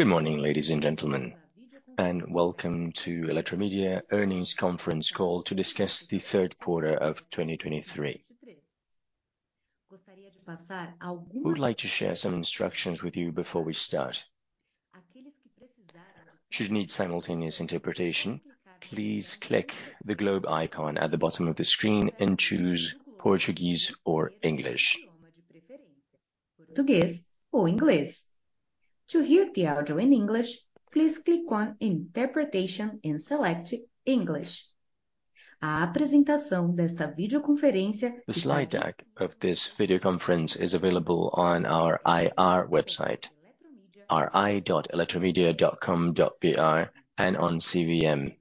Good morning, ladies and gentlemen, and welcome to the Eletromidia Earnings Conference Call to discuss the third quarter of 2023. We would like to share some instructions with you before we start. Should you need simultaneous interpretation, please click the globe icon at the bottom of the screen and choose Portuguese or English. The slide deck of this video conference is available on our IR website, ri.eletromidia.com.br, and on CVM.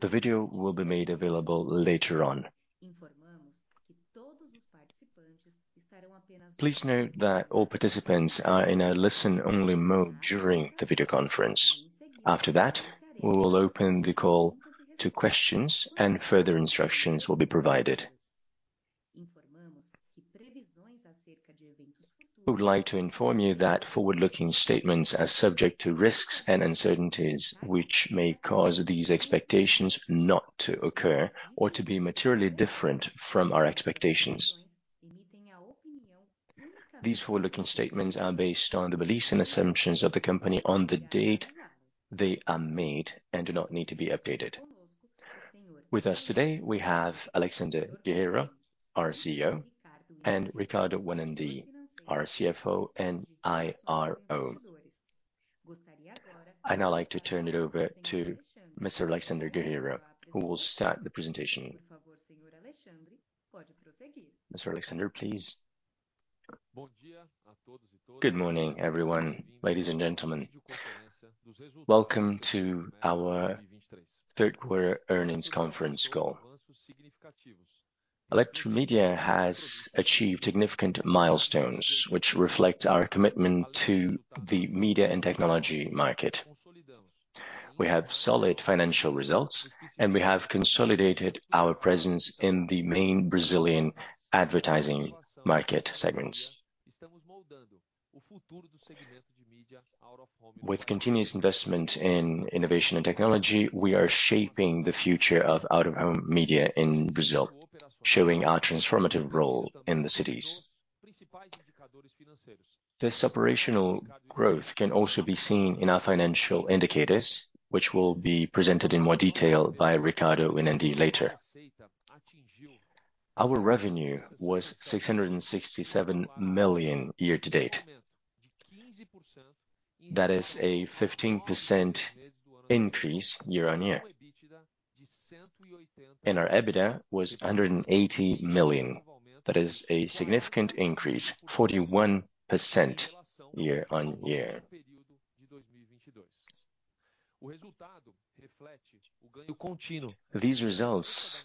The video will be made available later on. Please note that all participants are in a listen-only mode during the video conference. After that, we will open the call to questions and further instructions will be provided. We would like to inform you that forward-looking statements are subject to risks and uncertainties, which may cause these expectations not to occur or to be materially different from our expectations. These forward-looking statements are based on the beliefs and assumptions of the company on the date they are made and do not need to be updated. With us today, we have Alexandre Guerrero, our CEO, and Ricardo Winandy, our CFO and IRO. I would now like to turn it over to Mr. Alexandre Guerrero, who will start the presentation. Mr. Alexandre, please. Good morning, everyone. Ladies and gentlemen, welcome to our third quarter earnings conference call. Eletromidia has achieved significant milestones, which reflects our commitment to the media and technology market. We have solid financial results, and we have consolidated our presence in the main Brazilian advertising market segments. With continuous investment in innovation and technology, we are shaping the future of out-of-home media in Brazil, showing our transformative role in the cities. This operational growth can also be seen in our financial indicators, which will be presented in more detail by Ricardo Winandy later. Our revenue was 667 million year to date. That is a 15% increase year-on-year. Our EBITDA was 180 million. That is a significant increase, 41% year-on-year. These results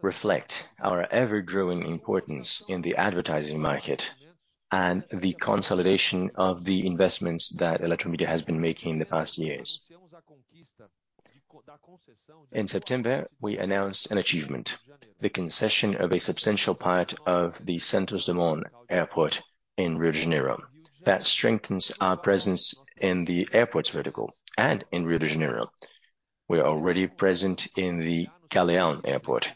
reflect our ever-growing importance in the advertising market and the consolidation of the investments that Eletromidia has been making in the past years. In September, we announced an achievement, the concession of a substantial part of the Santos Dumont Airport in Rio de Janeiro. That strengthens our presence in the airports vertical and in Rio de Janeiro. We are already present in the Galeão Airport.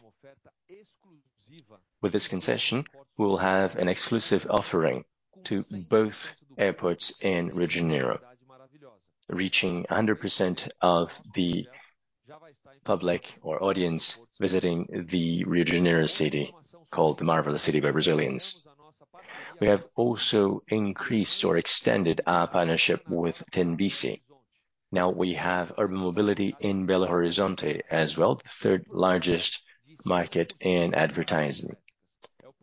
With this concession, we will have an exclusive offering to both airports in Rio de Janeiro, reaching 100% of the public or audience visiting the Rio de Janeiro city, called the Marvelous City by Brazilians. We have also increased or extended our partnership with Tembici. Now we have urban mobility in Belo Horizonte as well, the third largest market in advertising.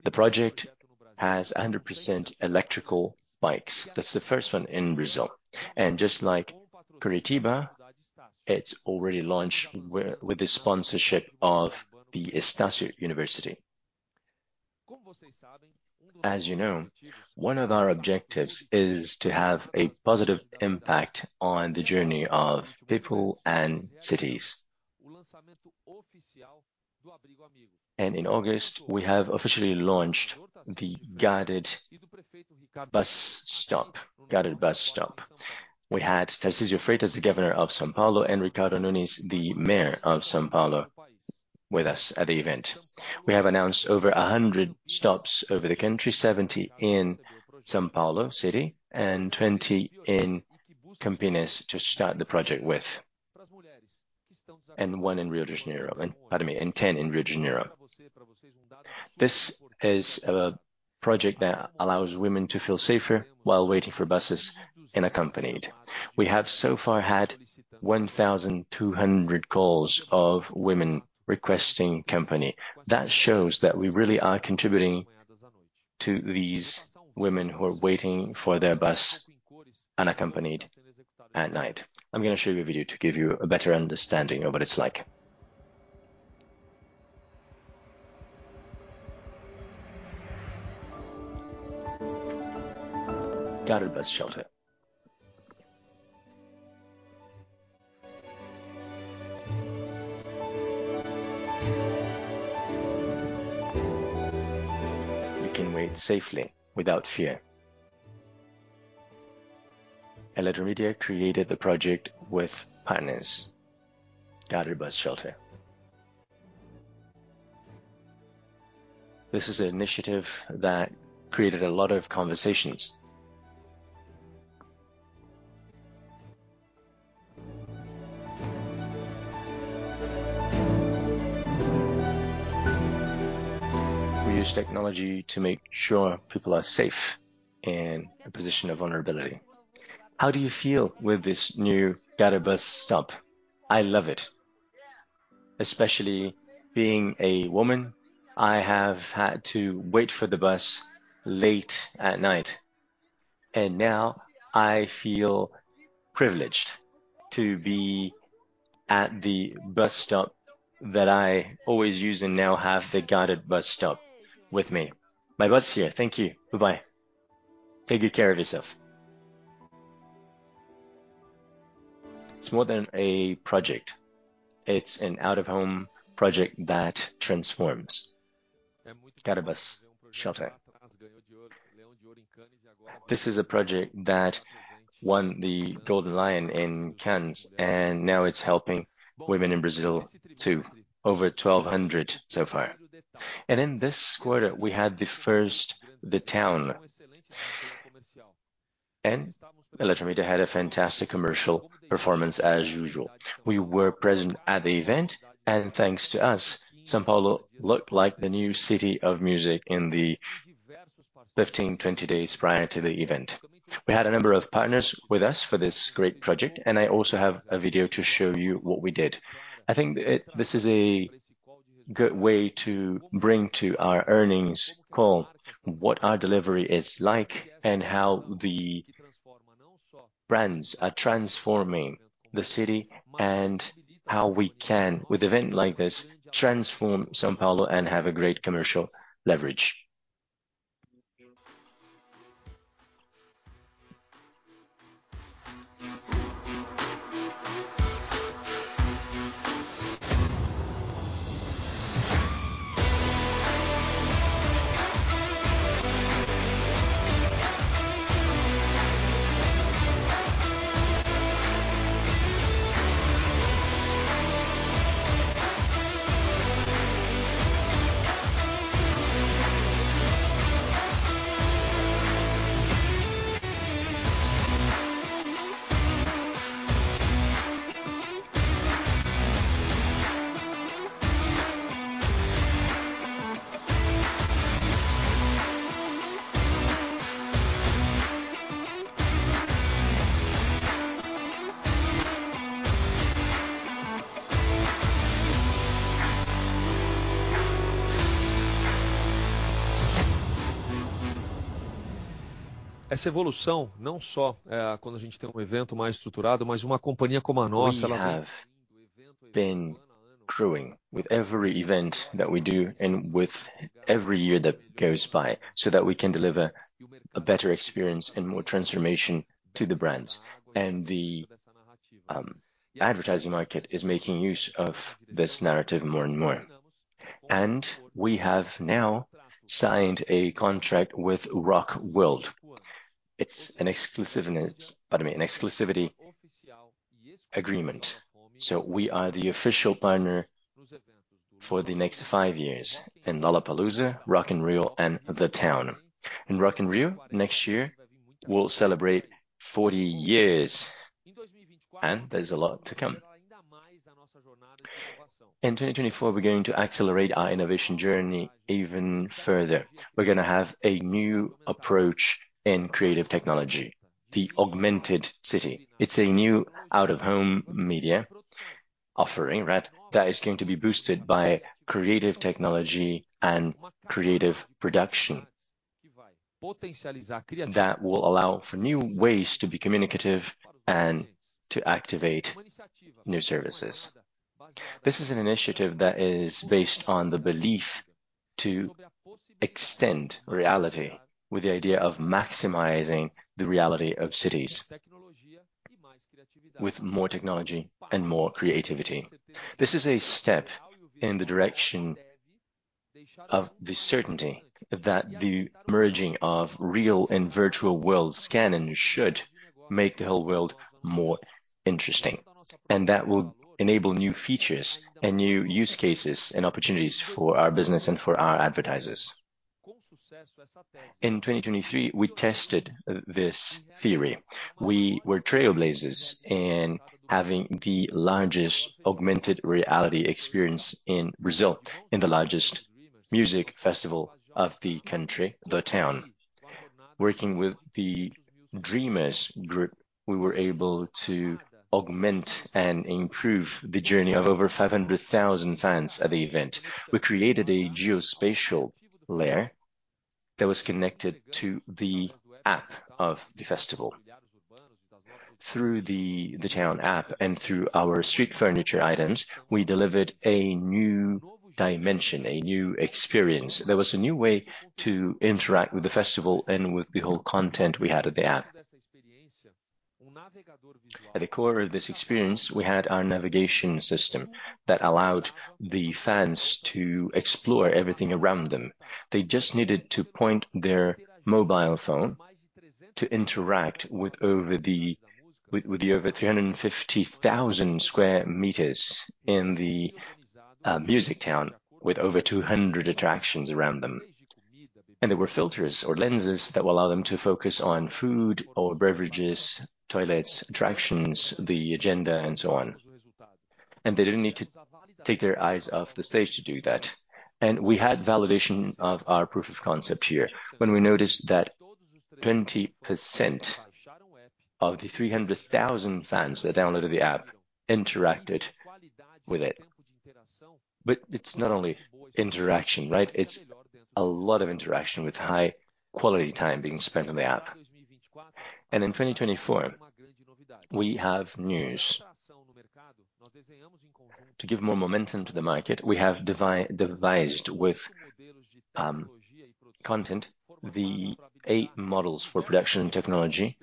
The project has 100% electric bikes. That's the first one in Brazil, and just like Curitiba, it's already launched with the sponsorship of the Estácio University. As you know, one of our objectives is to have a positive impact on the journey of people and cities. In August, we have officially launched the Guarded Bus Stop. We had Tarcísio de Freitas, the governor of São Paulo, and Ricardo Nunes, the mayor of São Paulo, with us at the event. We have announced over 100 stops over the country, 70 in São Paulo City and 20 in Campinas to start the project with, and 1 in Rio de Janeiro, and pardon me, and 10 in Rio de Janeiro. This is a project that allows women to feel safer while waiting for buses unaccompanied. We have so far had 1,200 calls of women requesting company. That shows that we really are contributing to these women who are waiting for their bus unaccompanied at night. I am going to show you a video to give you a better understanding of what it's like. Guarded Bus Shelter... wait safely without fear. Eletromidia created the project with partners, Guarded Bus Shelter. This is an initiative that created a lot of conversations. We use technology to make sure people are safe in a position of vulnerability. How do you feel with this new Guarded Bus Stop? I love it. Especially being a woman, I have had to wait for the bus late at night, and now I feel privileged to be at the bus stop that I always use and now have the Guarded Bus Stop with me. My bus is here. Thank you. Bye-bye. Take good care of yourself. It's more than a project. It's an out-of-home project that transforms. Guarded Bus Shelter. This is a project that won the Golden Lion in Cannes, and now it's helping women in Brazil, too. Over 1,200 so far. In this quarter, we had the first The Town, and Eletromidia had a fantastic commercial performance as usual. We were present at the event, and thanks to us, São Paulo looked like the new city of music in the 15-20 days prior to the event. We had a number of partners with us for this great project, and I also have a video to show you what we did. I think it... This is a good way to bring to our earnings call, what our delivery is like, and how the brands are transforming the city, and how we can, with event like this, transform São Paulo and have a great commercial leverage. We have been growing with every event that we do and with every year that goes by, so that we can deliver a better experience and more transformation to the brands. And the advertising market is making use of this narrative more and more. And we have now signed a contract with Rock World. It's an exclusiveness, pardon me, an exclusivity agreement. So we are the official partner for the next 5 years in Lollapalooza, Rock in Rio, and The Town. In Rock in Rio, next year, we will celebrate 40 years, and there's a lot to come. In 2024, we're going to accelerate our innovation journey even further. We are going to have a new approach in creative technology, the Augmented City. It's a new out-of-home media offering, right? That is going to be boosted by creative technology and creative production. That will allow for new ways to be communicative and to activate new services. This is an initiative that is based on the belief to extend reality with the idea of maximizing the reality of cities, with more technology and more creativity. This is a step in the direction of the certainty that the merging of real and virtual worlds can and should make the whole world more interesting, and that will enable new features and new use cases and opportunities for our business and for our advertisers. In 2023, we tested this theory. We were trailblazers in having the largest augmented reality experience in Brazil, in the largest music festival of the country, The Town. Working with the Dreamers Group, we were able to augment and improve the journey of over 500,000 fans at the event. We created a geospatial layer that was connected to the app of the festival. Through the The Town app and through our street furniture items, we delivered a new dimension, a new experience. There was a new way to interact with the festival and with the whole content we had at the app. At the core of this experience, we had our navigation system that allowed the fans to explore everything around them. They just needed to point their mobile phone to interact with over 350,000 square meters in the music town, with over 200 attractions around them. And there were filters or lenses that would allow them to focus on food or beverages, toilets, attractions, the agenda, and so on. And they didn't need to take their eyes off the stage to do that. We had validation of our proof of concept here when we noticed that 20% of the 300,000 fans that downloaded the app interacted with it. But it's not only interaction, right? It's a lot of interaction with high quality time being spent on the app. In 2024, we have news. To give more momentum to the market, we have devised with content the eight models for production and technology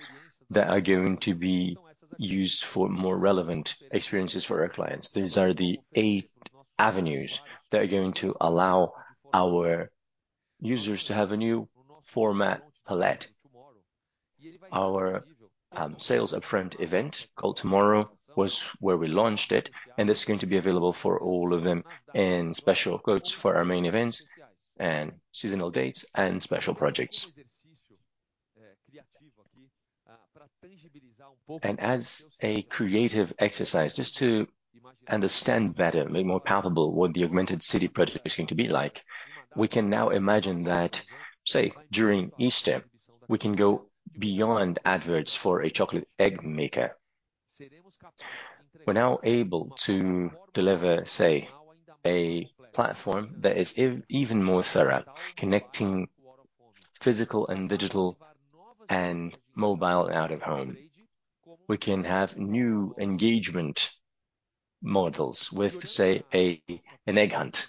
that are going to be used for more relevant experiences for our clients. These are the eight avenues that are going to allow our users to have a new format palette. Our sales upfront event, called Tomorrow, was where we launched it, and this is going to be available for all of them in special quotes for our main events and seasonal dates and special projects. As a creative exercise, just to understand better, make more palpable what the Augmented City project is going to be like, we can now imagine that, say, during Easter, we can go beyond adverts for a chocolate egg maker. We're now able to deliver, say, a platform that is even more thorough, connecting physical and digital and mobile out-of-home. We can have new engagement models with, say, an egg hunt,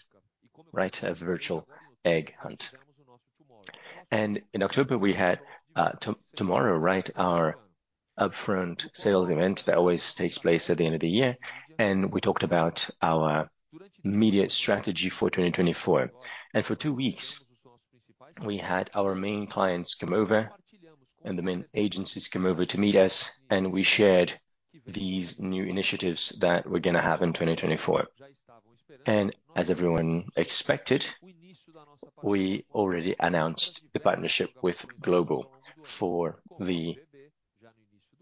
right? A virtual egg hunt. In October, we had Tomorrow, right, our upfront sales event that always takes place at the end of the year, and we talked about our media strategy for 2024. For two weeks, we had our main clients come over, and the main agencies come over to meet us, and we shared these new initiatives that we are going to have in 2024. As everyone expected, we already announced the partnership with Globo for the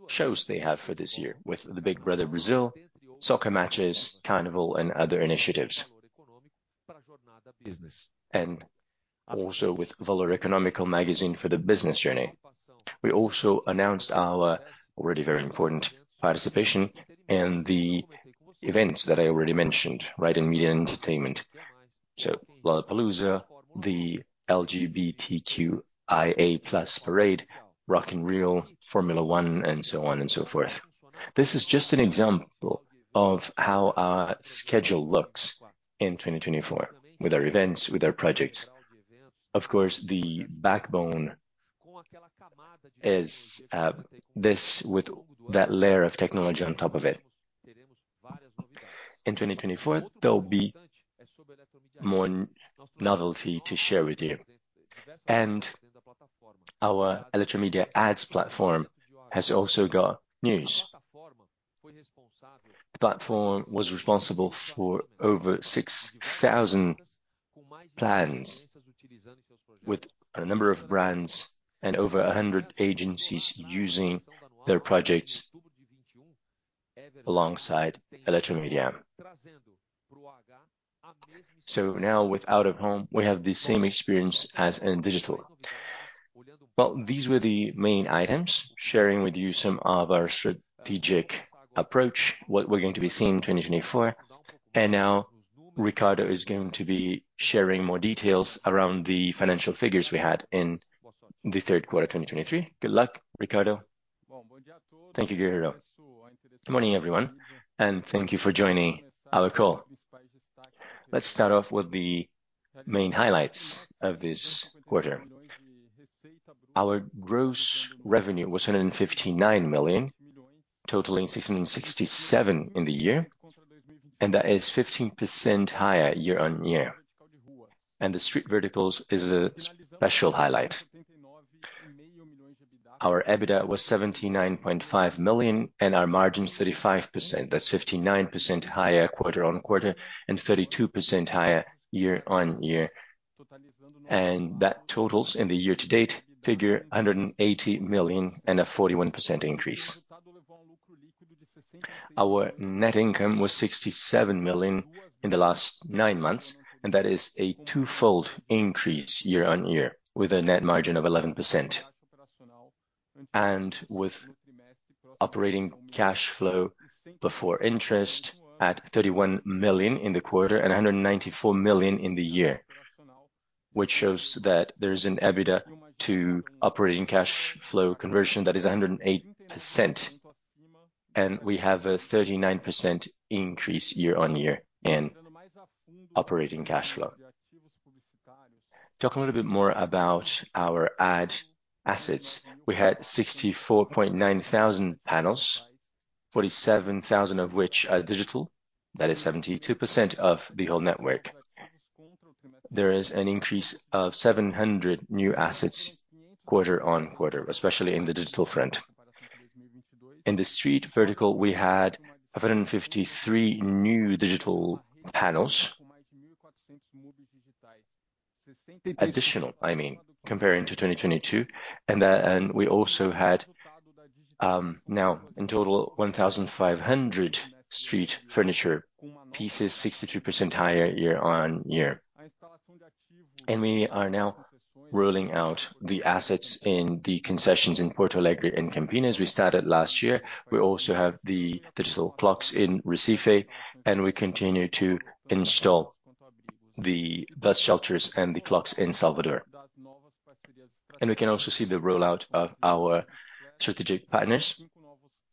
shows they have for this year, with the Big Brother Brasil, soccer matches, carnival, and other initiatives. Also with Valor Econômico magazine for the business journey. We also announced our already very important participation in the events that I already mentioned, right, in media and entertainment. Lollapalooza, the LGBTQIA+ Parade, Rock in Rio, Formula One, and so on and so forth. This is just an example of how our schedule looks in 2024 with our events, with our projects. Of course, the backbone is this, with that layer of technology on top of it. In 2024, there'll be more novelty to share with you. Our Eletromidia Ads platform has also got news. The platform was responsible for over 6,000 plans with a number of brands and over 100 agencies using their projects alongside Eletromidia. So now, with out-of-home, we have the same experience as in digital. Well, these were the main items, sharing with you some of our strategic approach, what we're going to be seeing in 2024. And now, Ricardo is going to be sharing more details around the financial figures we had in the third quarter, 2023. Good luck, Ricardo. Thank you, Guerrero. Good morning, everyone, and thank you for joining our call. Let's start off with the main highlights of this quarter. Our gross revenue was 159 million, totaling 667 million in the year, and that is 15% higher year-on-year. And the street vertical is a special highlight. Our EBITDA was 79.5 million, and our margin was 35%. That's 59% higher quarter-on-quarter and 32% higher year-on-year. That totals in the year-to-date figure 180 million and a 41% increase. Our net income was 67 million in the last nine months, and that is a twofold increase year-on-year, with a net margin of 11%, and with operating cash flow before interest at 31 million in the quarter and 194 million in the year. Which shows that there's an EBITDA to operating cash flow conversion that is 108%, and we have a 39% increase year-on-year in operating cash flow. Talking a little bit more about our ad assets. We had 64,900 panels, 47,000 of which are digital. That is 72% of the whole network. There is an increase of 700 new assets quarter-on-quarter, especially in the digital front. In the street vertical, we had 153 new digital panels. Additionally, I mean, comparing to 2022, and we also had, now in total, 1,500 street furniture pieces, 62% higher year-on-year. We are now rolling out the assets in the concessions in Porto Alegre and Campinas we started last year. We also have the digital clocks in Recife, and we continue to install the bus shelters and the clocks in Salvador. We can also see the rollout of our strategic partners,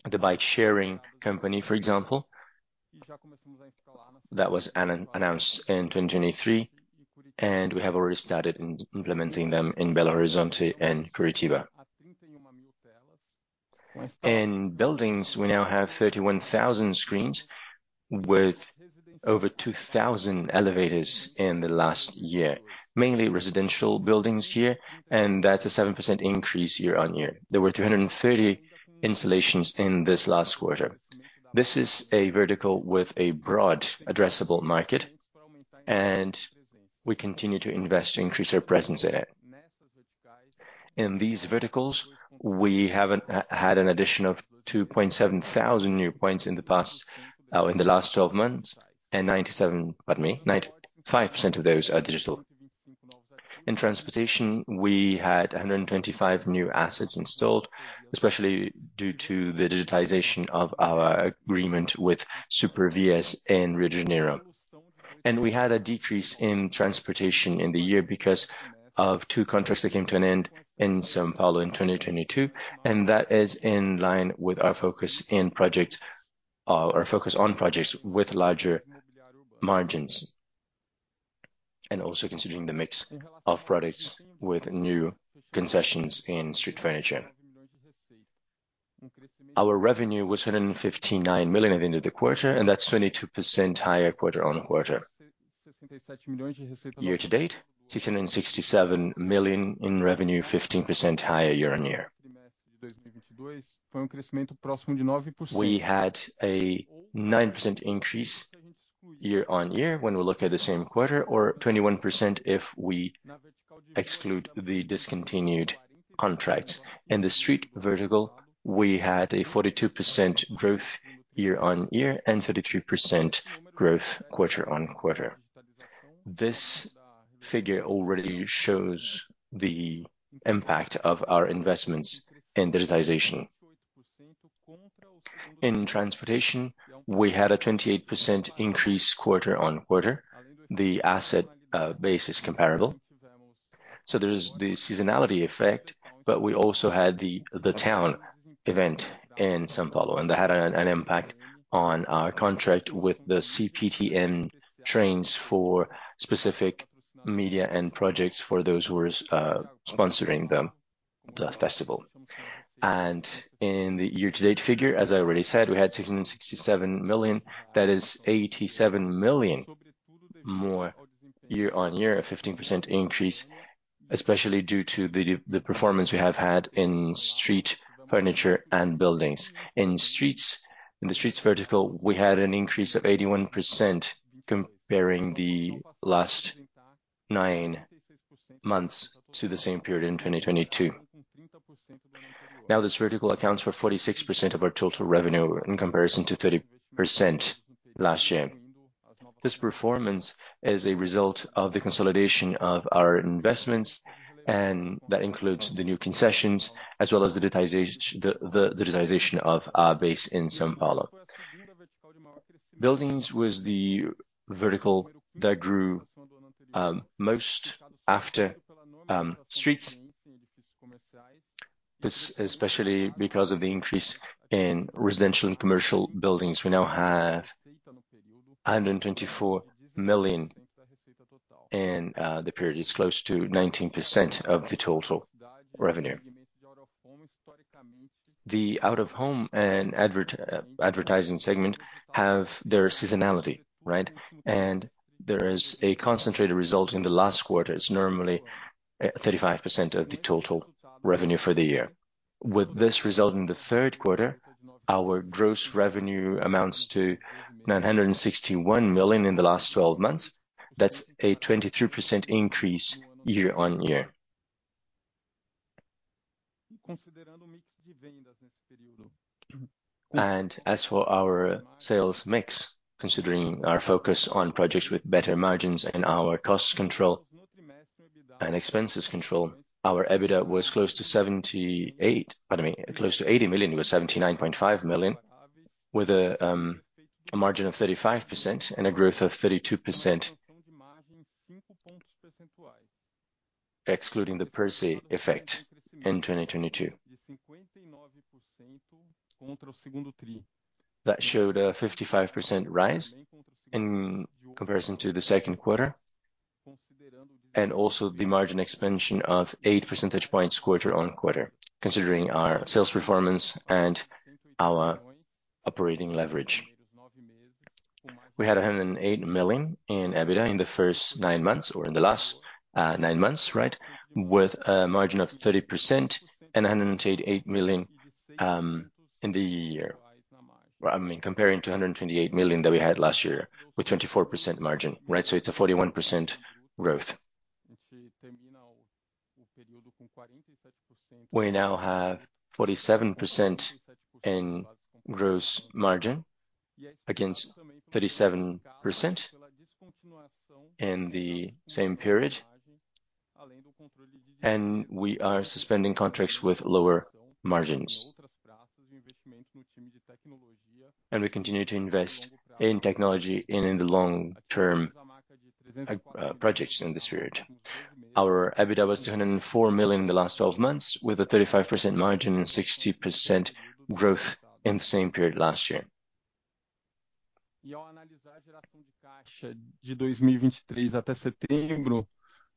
the bike-sharing company, for example, that was announced in 2023, and we have already started implementing them in Belo Horizonte and Curitiba. In buildings, we now have 31,000 screens with over 2,000 elevators in the last year, mainly residential buildings here, and that's a 7% increase year-on-year. There were 330 installations in this last quarter. This is a vertical with a broad addressable market, and we continue to invest to increase our presence in it. In these verticals, we had an addition of 2,700 new points in the past, in the last 12 months, and 97, pardon me, 95% of those are digital. In transportation, we had 125 new assets installed, especially due to the digitization of our agreement with SuperVia in Rio de Janeiro. We had a decrease in transportation in the year because of two contracts that came to an end in São Paulo in 2022, and that is in line with our focus in project, our focus on projects with larger margins, and also considering the mix of products with new concessions in street furniture. Our revenue was 159 million at the end of the quarter, and that's 22% higher quarter-on-quarter. Year-to-date, 667 million in revenue, 15% higher year-on-year. We had a 9% increase year-on-year when we look at the same quarter, or 21% if we exclude the discontinued contracts. In the street vertical, we had a 42% growth year-on-year and 33% growth quarter-on-quarter. This figure already shows the impact of our investments in digitization. In transportation, we had a 28% increase quarter-on-quarter. The asset base is comparable. So there's the seasonality effect, but we also had the The Town event in São Paulo, and that had an impact on our contract with the CPTM trains for specific media and projects for those who were sponsoring the festival. And in the year-to-date figure, as I already said, we had 667 million, that is 87 million more year-on-year, a 15% increase, especially due to the performance we have had in street furniture and buildings. In the streets vertical, we had an increase of 81% comparing the last nine months to the same period in 2022. Now, this vertical accounts for 46% of our total revenue in comparison to 30% last year. This performance is a result of the consolidation of our investments, and that includes the new concessions, as well as the digitization of our base in São Paulo. Buildings was the vertical that grew most after streets. This especially because of the increase in residential and commercial buildings. We now have 124 million, and the period is close to 19% of the total revenue. The out-of-home and advertising segment have their seasonality, right? And there is a concentrated result in the last quarter. It's normally 35% of the total revenue for the year. With this result in the third quarter, our gross revenue amounts to 961 million in the last twelve months. That's a 22% increase year-on-year. As for our sales mix, considering our focus on projects with better margins and our cost control and expenses control, our EBITDA was close to 78, pardon me, close to 80 million. It was 79.5 million, with a margin of 35% and a growth of 32%, excluding the PERSE effect in 2022.... that showed a 55% rise in comparison to the second quarter, and also the margin expansion of 8 percentage points quarter-on-quarter, considering our sales performance and our operating leverage. We had 108 million in EBITDA in the first nine months or in the last nine months, right? With a margin of 30% and 188 million in the year. I mean, comparing to 128 million that we had last year, with 24% margin, right? It's a 41% growth. We now have 47% in gross margin against 37% in the same period, and we are suspending contracts with lower margins. We continue to invest in technology and in the long-term projects in this period. Our EBITDA was 204 million in the last twelve months, with a 35% margin and 60% growth in the same period last year.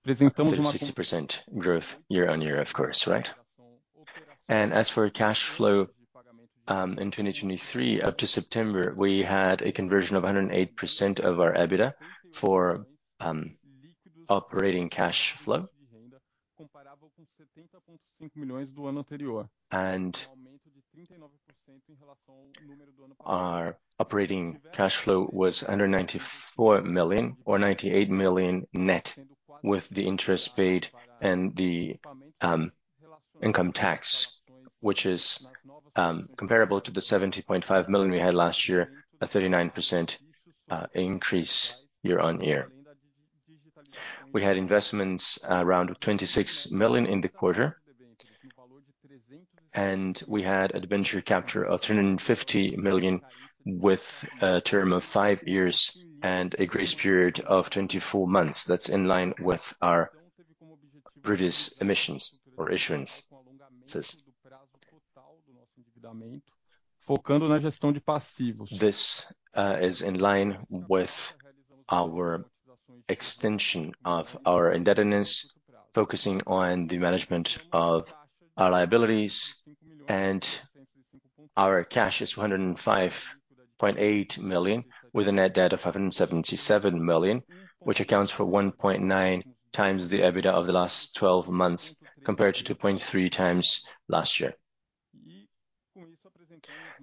60% growth year-on-year, of course, right? As for cash flow, in 2023 up to September, we had a conversion of 108% of our EBITDA for operating cash flow. Our operating cash flow was under 94 million or 98 million net, with the interest paid and the income tax, which is comparable to the 70.5 million we had last year, a 39% increase year-on-year. We had investments around 26 million in the quarter, and we had debenture capture of 350 million, with a term of 5 years and a grace period of 24 months. That's in line with our previous emissions or issuances. This is in line with our extension of our indebtedness, focusing on the management of our liabilities, and our cash is 105.8 million, with a net debt of 577 million, which accounts for 1.9 times the EBITDA of the last twelve months, compared to 2.3 times last year.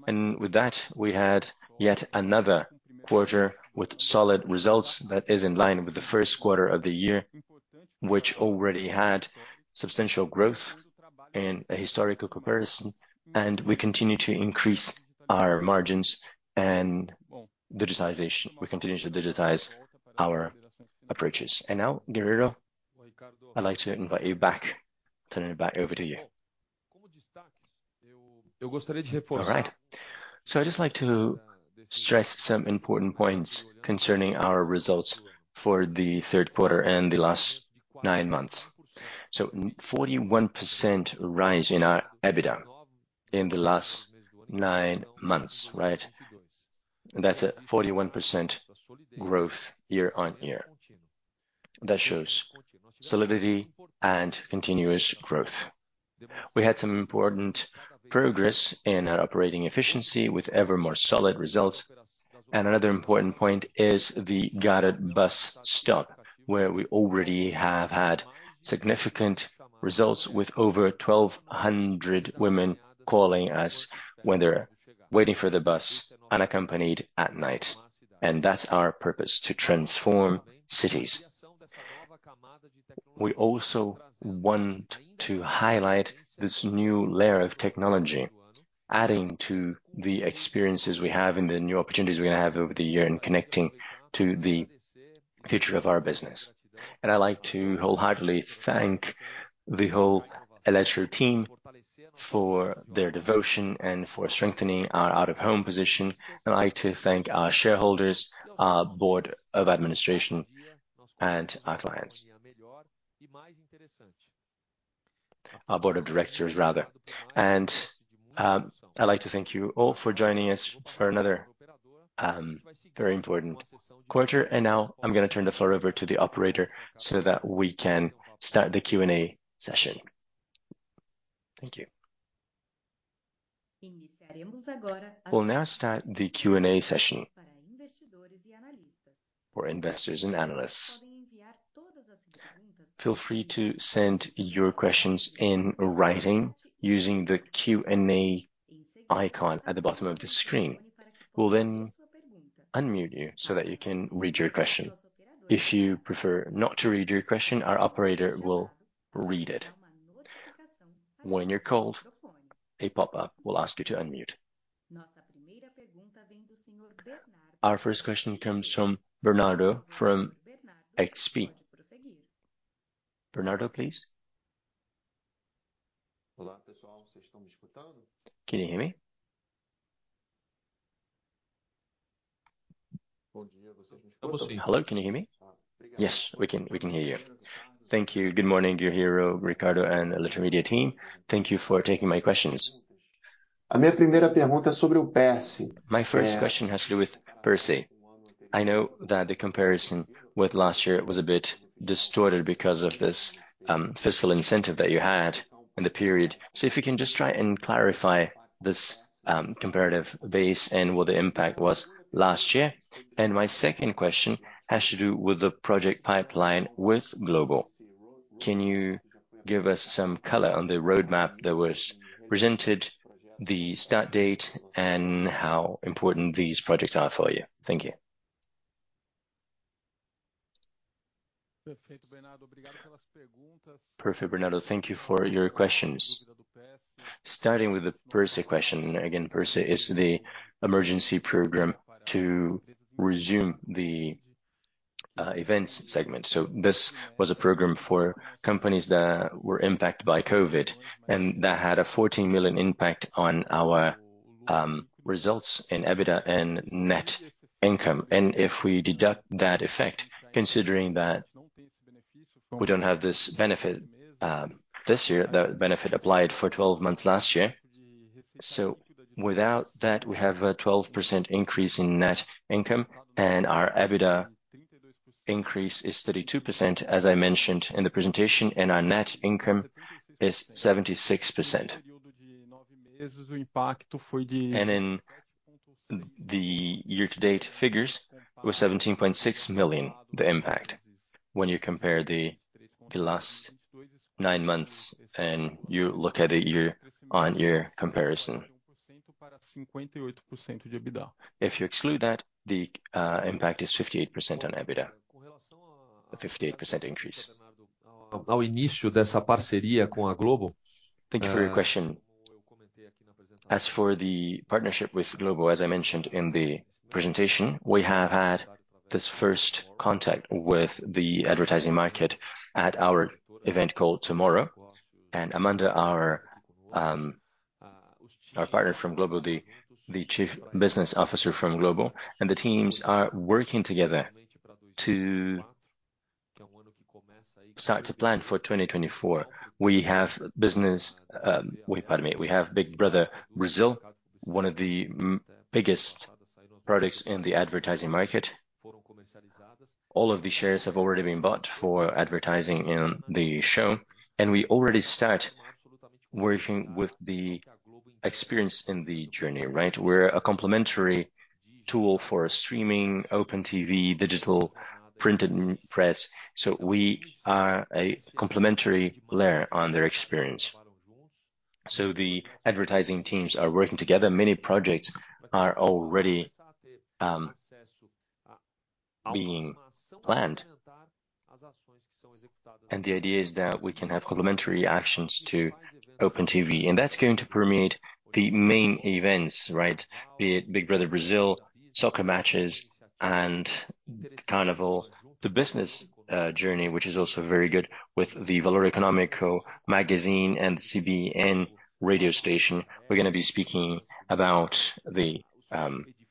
With that, we had yet another quarter with solid results. That is in line with the first quarter of the year, which already had substantial growth and a historical comparison, and we continue to increase our margins and digitization. We continue to digitize our approaches. And now, Guerrero, I would like to invite you back. Turn it back over to you. All right. I would just like to stress some important points concerning our results for the third quarter and the last nine months. So 41% rise in our EBITDA in the last nine months, right? That's a 41% growth year-on-year. That shows solidity and continuous growth. We had some important progress in our operating efficiency with ever more solid results. Another important point is the Guarded Bus Stop, where we already have had significant results with over 1,200 women calling us when they are waiting for the bus unaccompanied at night, and that's our purpose: to transform cities. We also want to highlight this new layer of technology, adding to the experiences we have and the new opportunities we're going to have over the year in connecting to the future of our business. I would like to wholeheartedly thank the whole Eletromidia team for their devotion and for strengthening our out-of-home position. I would like to thank our shareholders, our board of administration, and our clients. Our board of directors, rather. I would like to thank you all for joining us for another, very important quarter. Now I am going to turn the floor over to the operator so that we can start the Q&A session. Thank you. We will now start the Q&A session for investors and analysts. Feel free to send your questions in writing using the Q&A icon at the bottom of the screen. We will then unmute you so that you can read your question. If you prefer not to read your question, our operator will read it. When you are called, a pop-up will ask you to unmute. Our first question comes from Bernardo from XP. Bernardo, please. Hello, Can you hear me? Hello, can you hear me? Yes, we can, we can hear you. Thank you. Good morning, Guerrero, Ricardo, and Eletromidia team. Thank you for taking my questions. My first question has to do with PERSE. I know that the comparison with last year was a bit distorted because of this fiscal incentive that you had in the period. So if you can just try and clarify this comparative base and what the impact was last year. My second question has to do with the project pipeline with Globo. Can you give us some color on the roadmap that was presented, the start date, and how important these projects are for you? Thank you. Perfect, Bernardo. Thank you for your questions. Starting with the PERSE question. Again, PERSE is the emergency program to resume the events segment. This was a program for companies that were impacted by COVID, and that had a 14 million impact on our results in EBITDA and net income. And if we deduct that effect, considering that we don't have this benefit this year, the benefit applied for 12 months last year. So without that, we have a 12% increase in net income, and our EBITDA increase is 32%, as I mentioned in the presentation, and our net income is 76%. And in the year-to-date figures, it was 17.6 million, the impact, when you compare the last nine months and you look at the year-on-year comparison. If you exclude that, the impact is 58% on EBITDA. A 58% increase. Thank you for your question. As for the partnership with Globo, as I mentioned in the presentation, we have had this first contact with the advertising market at our event called Tomorrow. And Manzar, our partner from Globo, the Chief Business Officer from Globo, and the teams are working together to start to plan for 2024. We have business. Wait, pardon me. We have Big Brother Brasil, one of the biggest products in the advertising market. All of the shares have already been bought for advertising in the show, and we already start working with the experience in the journey, right? We're a complementary tool for streaming, open TV, digital, printed press, so we are a complementary layer on their experience. So the advertising teams are working together. Many projects are already being planned. The idea is that we can have complementary actions to open TV, and that's going to permeate the main events, right? Be it Big Brother Brasil, soccer matches, and carnival. The business journey, which is also very good with the Valor Econômico Magazine and CBN radio station. We are going to be speaking about the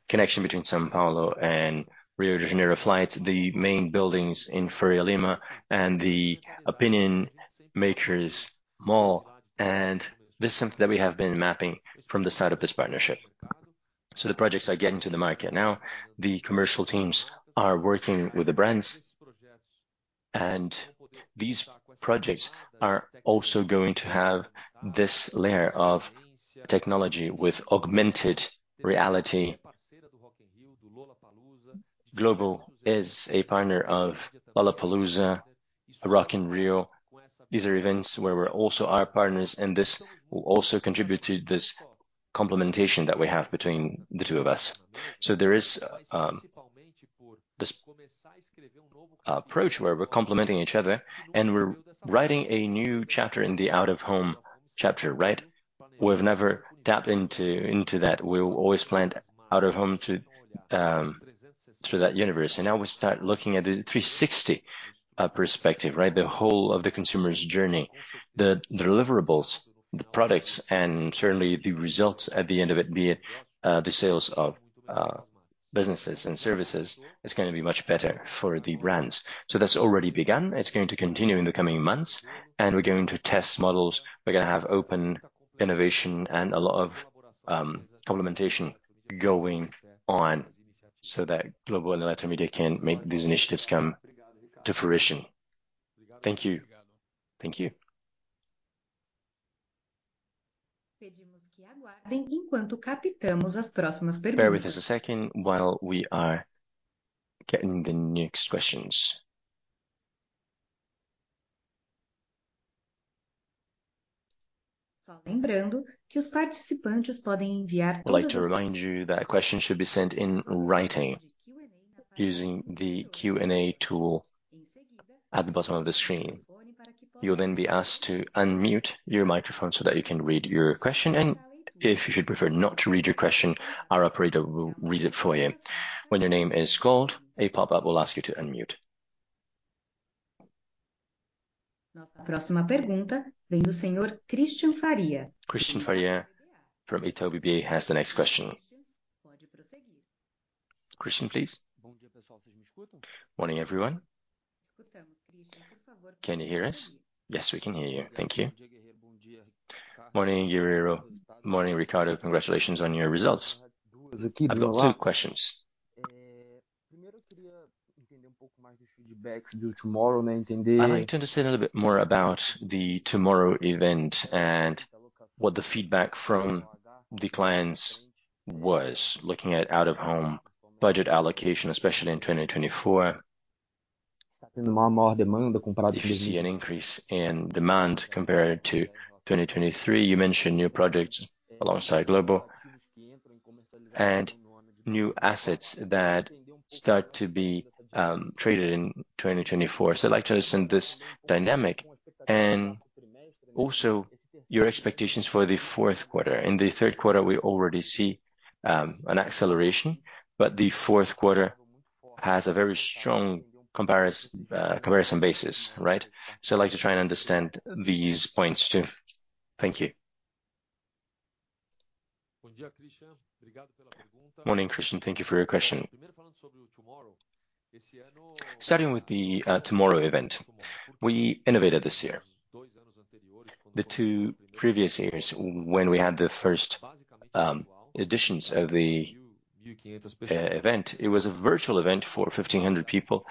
connection between São Paulo and Rio de Janeiro flights, the main buildings in Faria Lima, and the opinion makers mall. This is something that we have been mapping from the side of this partnership. The projects are getting to the market. Now, the commercial teams are working with the brands, and these projects are also going to have this layer of technology with augmented reality. Globo is a partner of Lollapalooza, Rock in Rio. These are events where we're also our partners, and this will also contribute to this complementation that we have between the two of us. So there is this approach where we're complementing each other, and we're writing a new chapter in the out-of-home chapter, right? We have never tapped into that. We have always planned out-of-home through that universe, and now we start looking at the 360 perspective, right? The whole of the consumer's journey. The deliverables, the products, and certainly the results at the end of it, be it the sales of businesses and services, is going to be much better for the brands. So that's already begun. It's going to continue in the coming months, and we're going to test models. We are going to have open innovation and a lot of complementation going on, so that Globo and Eletromidia can make these initiatives come to fruition. Thank you. Thank you. Bear with us a second while we are getting the next questions. I would like to remind you that questions should be sent in writing using the Q&A tool at the bottom of the screen. You will then be asked to unmute your microphone so that you can read your question, and if you should prefer not to read your question, our operator will read it for you. When your name is called, a pop-up will ask you to unmute. Cristian Faria from Itaú BBA has the next question. Cristian, please. Good morning, everyone. Can you hear us? Yes, we can hear you. Thank you. Morning, Guerrero. Morning, Ricardo. Congratulations on your results. I have got two questions. I would like to understand a little bit more about the Tomorrow event and what the feedback from the clients was, looking at out-of-home budget allocation, especially in 2024. If you see an increase in demand compared to 2023, you mentioned new projects alongside Globo and new assets that start to be traded in 2024. I would like to understand this dynamic and also your expectations for the fourth quarter. In the third quarter, we already see an acceleration, but the fourth quarter has a very strong comparison basis, right? So I would like to try and understand these points, too. Thank you. Good morning, Cristian. Thank you for your question. Starting with the Tomorrow event, we innovated this year. The two previous years, when we had the first additions of the event, it was a virtual event for 1,500 people,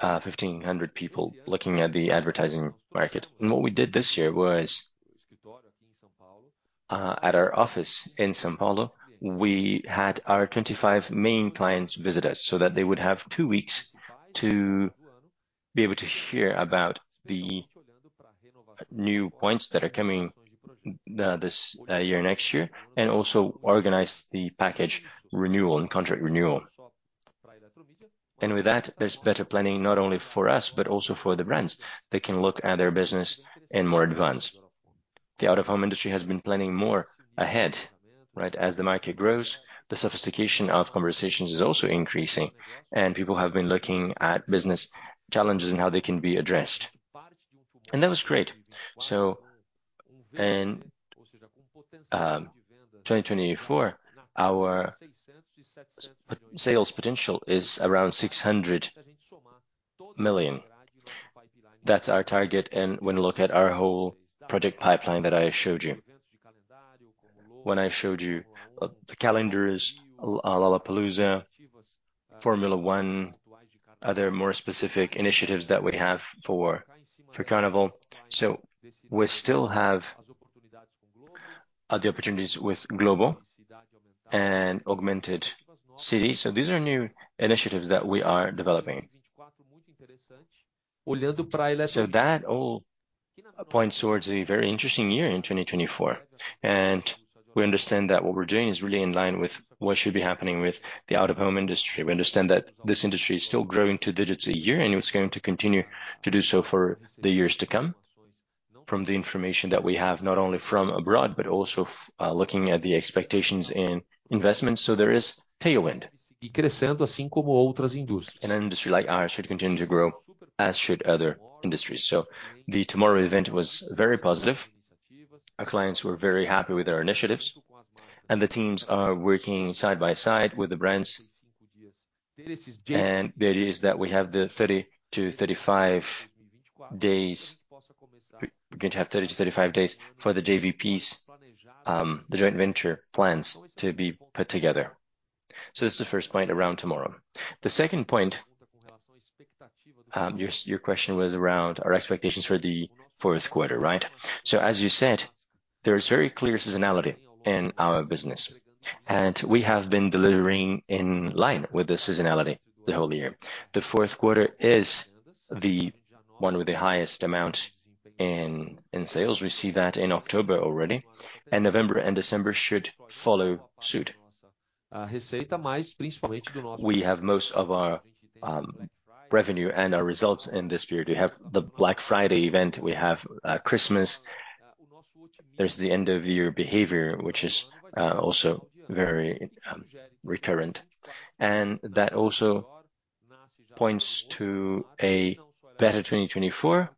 1,500 people looking at the advertising market. What we did this year was, at our office in São Paulo, we had our 25 main clients visit us so that they would have two weeks to be able to hear about the new points that are coming this year, next year, and also organize the package renewal and contract renewal. With that, there's better planning, not only for us, but also for the brands. They can look at their business in more advance. The out-of-home industry has been planning more ahead, right? As the market grows, the sophistication of conversations is also increasing, and people have been looking at business challenges and how they can be addressed. That was great. So, in 2024, our sales potential is around 600 million. That's our target and when you look at our whole project pipeline that I showed you. When I showed you the calendars, Lollapalooza, Formula 1, other more specific initiatives that we have for Carnival. So we still have the opportunities with Globo and Augmented City. So these are new initiatives that we are developing. That all points towards a very interesting year in 2024, and we understand that what we're doing is really in line with what should be happening with the out-of-home industry. We understand that this industry is still growing two digits a year, and it's going to continue to do so for the years to come, from the information that we have, not only from abroad, but also looking at the expectations in investments. There is tailwind. An industry like ours should continue to grow, as should other industries. The Tomorrow event was very positive. Our clients were very happy with our initiatives, and the teams are working side by side with the brands. The idea is that we have the 30-35 days. We're going to have 30-35 days for the JBPs, the joint business plans to be put together. This is the first point around Tomorrow. The second point, your question was around our expectations for the fourth quarter, right? As you said, there is very clear seasonality in our business, and we have been delivering in line with the seasonality the whole year. The fourth quarter is the one with the highest amount in sales. We see that in October already, and November and December should follow suit. We have most of our revenue and our results in this period. We have the Black Friday event, we have Christmas. There's the end-of-year behavior, which is also very recurrent. And that also points to a better 2024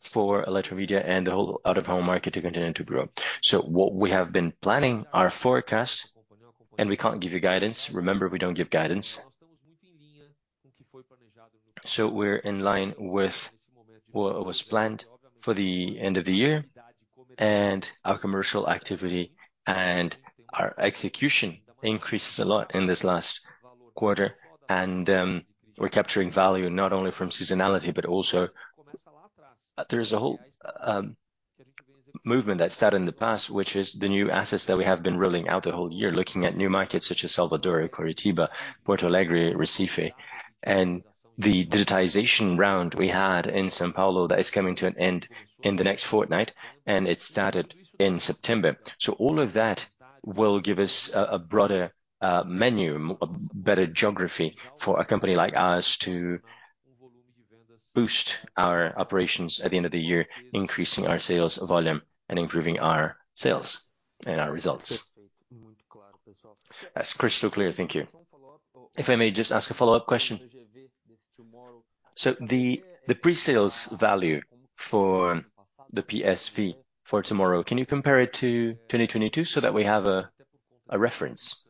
for Eletromidia and the whole out-of-home market to continue to grow. So what we have been planning our forecast, and we can't give you guidance. Remember, we don't give guidance. So we're in line with what was planned for the end of the year, and our commercial activity and our execution increases a lot in this last quarter. We're capturing value not only from seasonality, but also, there's a whole movement that started in the past, which is the new assets that we have been rolling out the whole year, looking at new markets such as Salvador, Curitiba, Porto Alegre, Recife, and the digitization round we had in São Paulo, that is coming to an end in the next fortnight, and it started in September. All of that will give us a broader menu, a better geography for a company like ours to boost our operations at the end of the year, increasing our sales volume and improving our sales and our results. That's crystal clear. Thank you. If I may just ask a follow-up question. So the pre-sales value for the PSV for tomorrow, can you compare it to 2022 so that we have a reference?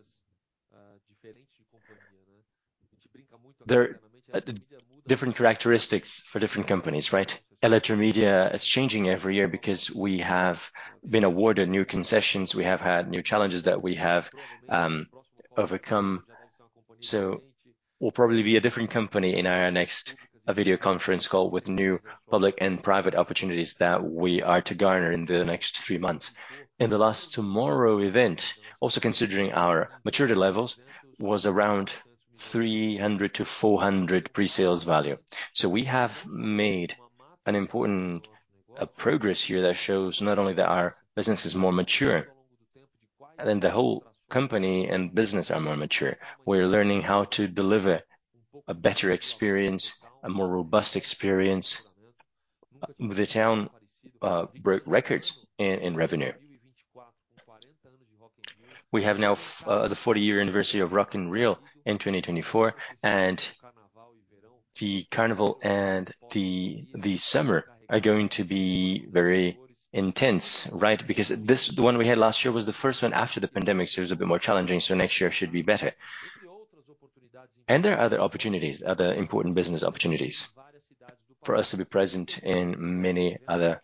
There are different characteristics for different companies, right? Eletromidia is changing every year because we have been awarded new concessions. We have had new challenges that we have overcome, so we will probably be a different company in our next video conference call with new public and private opportunities that we are to garner in the next three months. In the last Tomorrow event, also considering our maturity levels, was around 300-400 pre-sales value. So we have made an important progress here that shows not only that our business is more mature, and then the whole company and business are more mature. We're learning how to deliver a better experience, a more robust experience. The Town broke records in revenue. We have now the 40-year anniversary of Rock in Rio in 2024, and the Carnival and the summer are going to be very intense, right? Because this, the one we had last year, was the first one after the pandemic, so it was a bit more challenging, so next year should be better. And there are other opportunities, other important business opportunities for us to be present in many other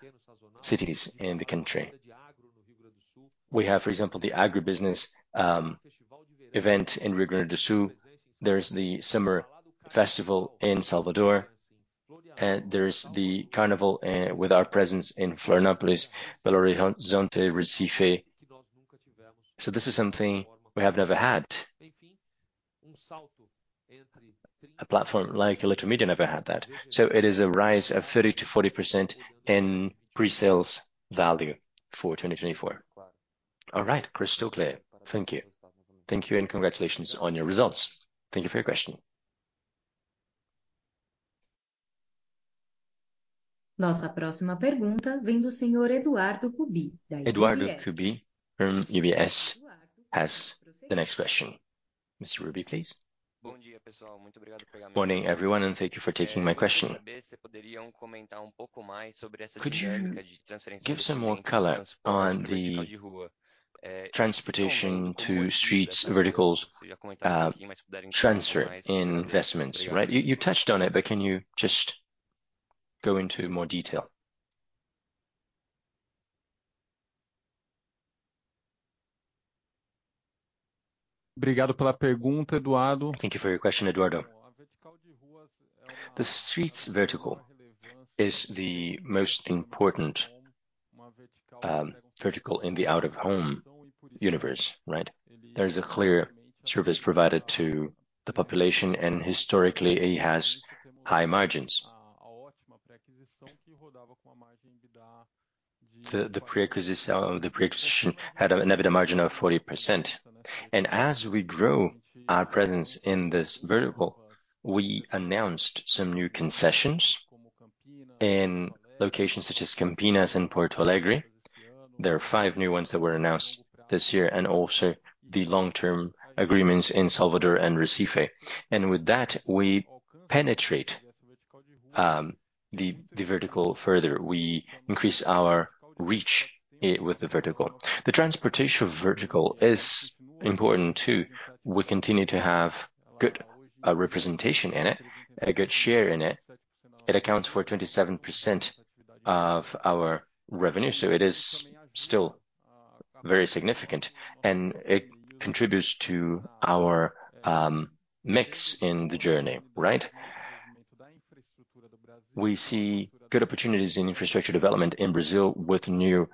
cities in the country. We have, for example, the agribusiness event in Rio Grande do Sul. There's the summer festival in Salvador, and there's the carnival with our presence in Florianópolis, Belo Horizonte, Recife. So this is something we have never had. A platform like Eletromidia never had that. So it is a rise of 30%-40% in pre-sales value for 2024. All right. Crystal clear. Thank you. Thank you, and congratulations on your results. Thank you for your question. Eduardo Rubi from UBS has the next question. Mr. Rubi, please. Good morning, everyone, and thank you for taking my question. Could you give some more color on the transportation to streets, verticals, transfer in investments? Right. You touched on it, but can you just go into more detail? Thank you for your question, Eduardo. The streets vertical is the most important vertical in the out-of-home universe, right? There is a clear service provided to the population, and historically, it has high margins. The pre-acquisition had an EBITDA margin of 40%. As we grow our presence in this vertical, we announced some new concessions in locations such as Campinas and Porto Alegre. There are five new ones that were announced this year, and also the long-term agreements in Salvador and Recife. With that, we penetrate the vertical further. We increase our reach with the vertical. The transportation vertical is important, too. We continue to have good representation in it, a good share in it. It accounts for 27% of our revenue, so it is still very significant, and it contributes to our mix in the journey, right? We see good opportunities in infrastructure development in Brazil with new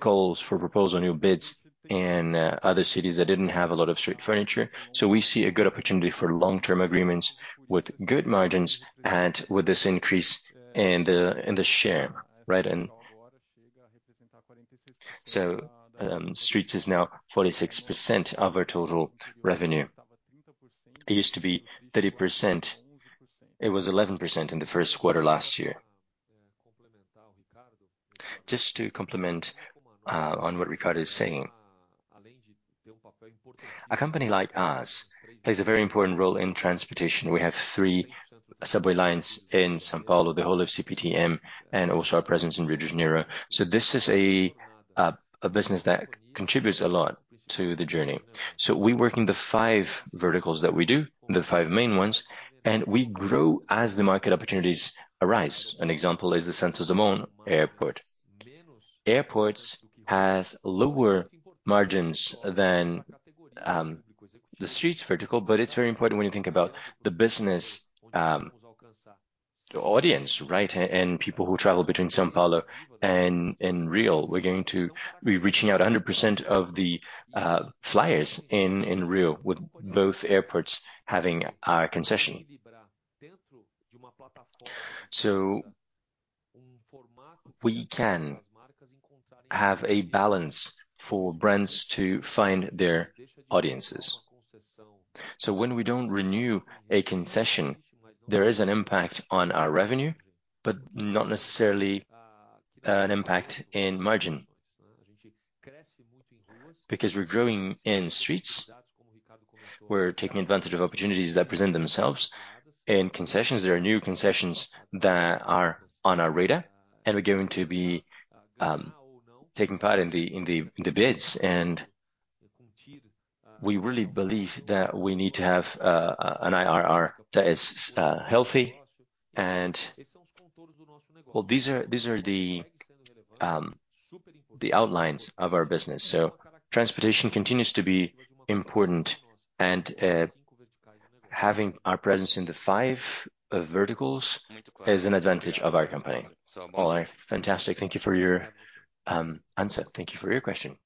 calls for proposal, new bids in other cities that didn't have a lot of street furniture. So we see a good opportunity for long-term agreements with good margins and with this increase in the share, right? So streets is now 46% of our total revenue. It used to be 30%. It was 11% in the first quarter last year. Just to complement on what Ricardo is saying. A company like ours plays a very important role in transportation. We have three subway lines in São Paulo, the whole of CPTM, and also our presence in Rio de Janeiro. This is a, a business that contributes a lot to the journey. So we work in the five verticals that we do, the five main ones, and we grow as the market opportunities arise. An example is the Santos Dumont Airport. Airports has lower margins than, the streets vertical, but it's very important when you think about the business, the audience, right, and, and people who travel between São Paulo and, and Rio. We're going to be reaching out 100% of the, flyers in, in Rio with both airports having our concession. So we can have a balance for brands to find their audiences. So when we don't renew a concession, there is an impact on our revenue, but not necessarily, an impact in margin. Because we're growing in streets, we're taking advantage of opportunities that present themselves. In concessions, there are new concessions that are on our radar, and we're going to be taking part in the bids, and we really believe that we need to have an IRR that is healthy, and well, these are the outlines of our business. So transportation continues to be important, and having our presence in the five verticals is an advantage of our company. So all right. Fantastic. Thank you for your answer. Thank you for your question.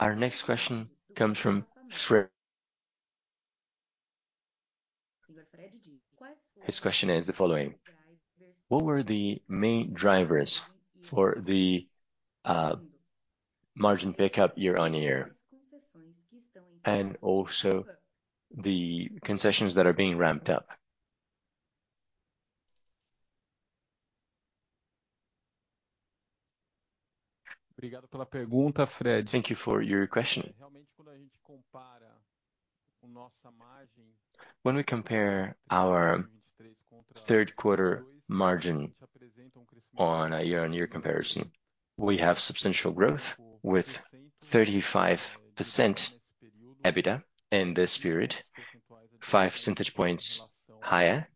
Our next question comes from Fred. His question is the following: What were the main drivers for the margin pickup year-on-year, and also the concessions that are being ramped up? Thank you for your question. When we compare our third quarter margin on a year-on-year comparison, we have substantial growth with 35% EBITDA in this period, 5 percentage points higher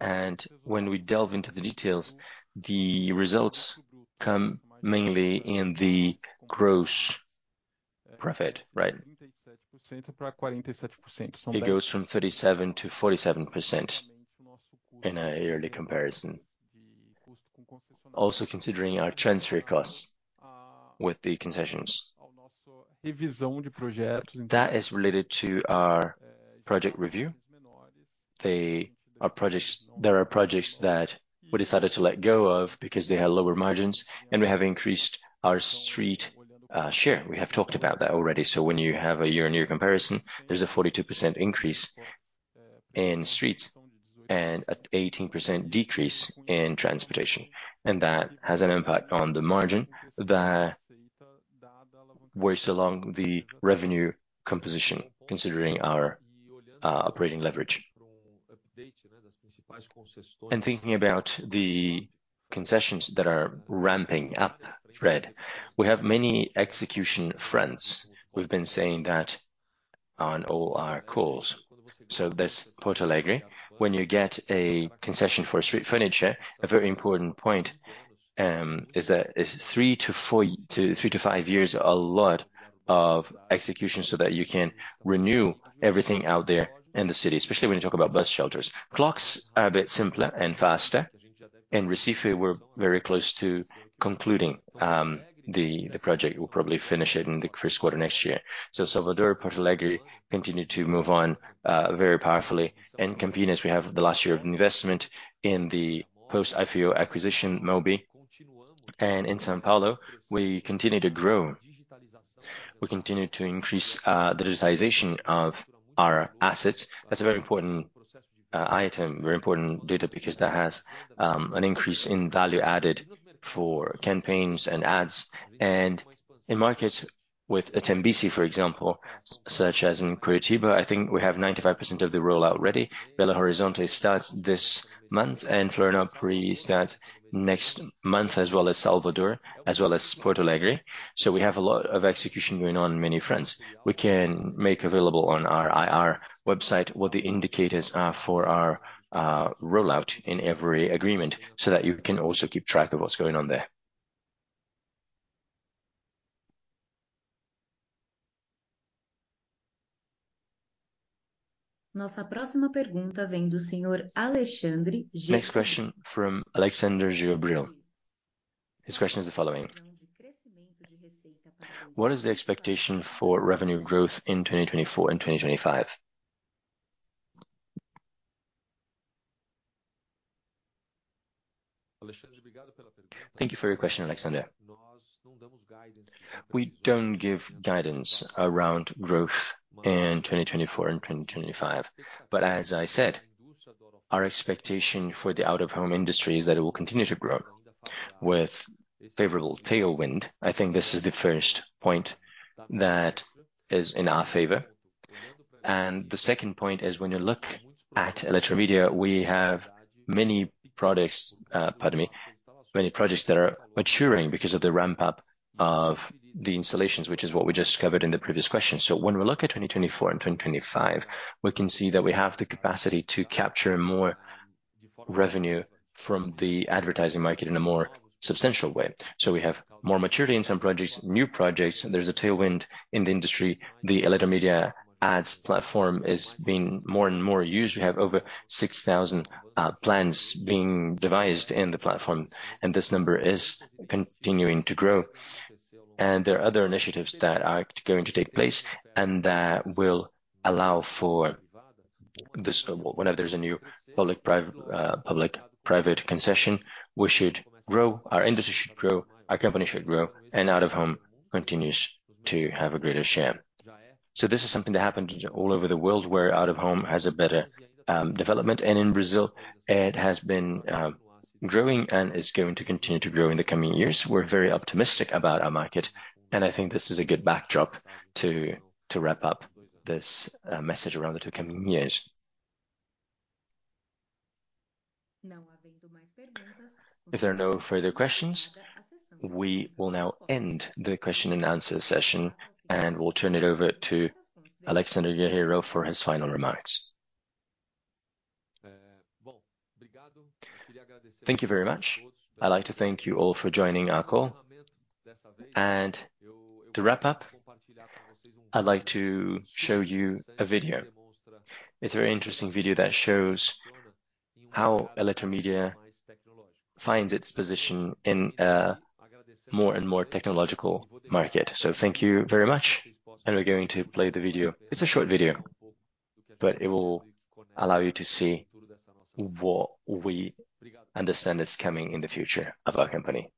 year-on-year. When we delve into the details, the results come mainly in the gross profit, right? It goes from 37%-47% in a yearly comparison. Also, considering our transfer costs with the concessions. That is related to our project review. There are projects that we decided to let go of because they had lower margins, and we have increased our street share. We have talked about that already. So when you have a year-on-year comparison, there's a 42% increase in streets and an 18% decrease in transportation, and that has an impact on the margin that works along the revenue composition, considering our operating leverage. Thinking about the concessions that are ramping up, Fred, we have many execution fronts. We have been saying that on all our calls. There's Porto Alegre. When you get a concession for a street furniture, a very important point is that it's 3-5 years, a lot of execution, so that you can renew everything out there in the city, especially when you talk about bus shelters. Clocks are a bit simpler and faster. In Recife, we're very close to concluding the project. We will probably finish it in the first quarter next year. Salvador, Porto Alegre continue to move on very powerfully. In Campinas, we have the last year of investment in the post-MOOHB acquisition, MOOHB. In São Paulo, we continue to grow. We continue to increase the digitization of our assets. That's a very important item, very important data, because that has an increase in value added for campaigns and ads. And in markets with Tembici, for example, such as in Curitiba, I think we have 95% of the rollout already. Belo Horizonte starts this month, and Florianópolis starts next month, as well as Salvador, as well as Porto Alegre. So we have a lot of execution going on, many fronts. We can make available on our IR website what the indicators are for our rollout in every agreement, so that you can also keep track of what's going on there. Next question from uncertain. His question is the following: What is the expectation for revenue growth in 2024 and 2025? Thank you for your question, Alexander. We don't give guidance around growth in 2024 and 2025, but as I said, our expectation for the out-of-home industry is that it will continue to grow with favorable tailwind. I think this is the first point that is in our favor, and the second point is when you look at Eletromidia, we have many products, pardon me, many projects that are maturing because of the ramp-up of the installations, which is what we just covered in the previous question. When we look at 2024 and 2025, we can see that we have the capacity to capture more revenue from the advertising market in a more substantial way. So we have more maturity in some projects, new projects, and there's a tailwind in the industry. The Eletromidia Ads platform is being more and more used. We have over 6,000 plans being devised in the platform, and this number is continuing to grow. There are other initiatives that are going to take place, and that will allow for this, whenever there's a new public-private concession, we should grow, our industry should grow, our company should grow, and out-of-home continues to have a greater share. This is something that happened all over the world, where out-of-home has a better development. In Brazil, it has been growing and is going to continue to grow in the coming years. We're very optimistic about our market, and I think this is a good backdrop to wrap up this message around the two coming years. If there are no further questions, we will now end the question and answer session, and we will turn it over to Alexandre Guerrero for his final remarks. Thank you very much. I would like to thank you all for joining our call. To wrap up, I would like to show you a video. It's a very interesting video that shows how Eletromidia finds its position in a more and more technological market. So thank you very much, and we're going to play the video. It's a short video, but it will allow you to see what we understand is coming in the future of our company.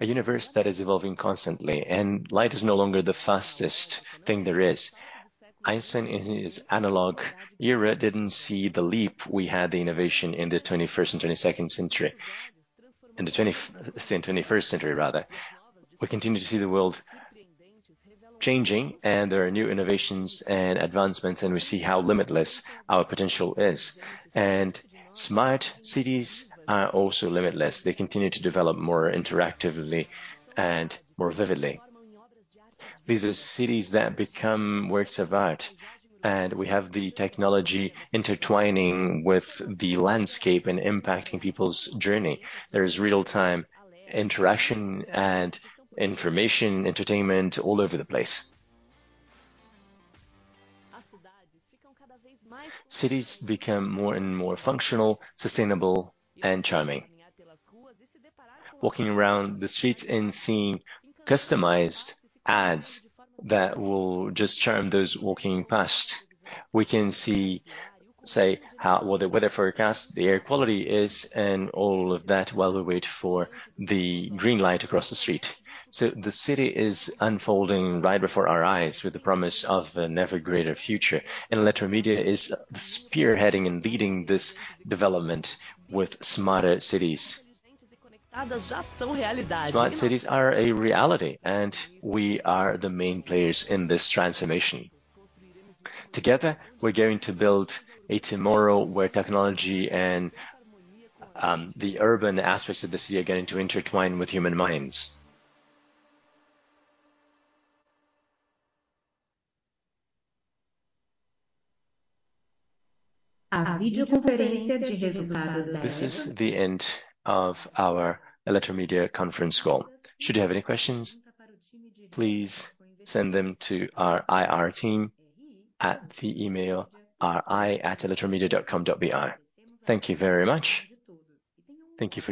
A universe that is evolving constantly, and light is no longer the fastest thing there is. Einstein, in his analog era, didn't see the leap we had, the innovation in the 21st and 22nd century. In the 21st century, rather. We continue to see the world changing, and there are new innovations and advancements, and we see how limitless our potential is. Smart cities are also limitless. They continue to develop more interactively and more vividly. These are cities that become works of art, and we have the technology intertwining with the landscape and impacting people's journey. There is real-time interaction and information, entertainment all over the place. Cities become more and more functional, sustainable, and charming. Walking around the streets and seeing customized ads that will just charm those walking past. We can see, say, what the weather forecast, the air quality is, and all of that while we wait for the green light across the street. The city is unfolding right before our eyes with the promise of an ever greater future, and Eletromidia is spearheading and leading this development with smarter cities. Smart cities are a reality, and we are the main players in this transformation. Together, we're going to build a tomorrow where technology and the urban aspects of the city are going to intertwine with human minds. This is the end of our Eletromidia conference call. Should you have any questions, please send them to our IR team at the email, ri@eletromidia.com.br. Thank you very much. Thank you for joining.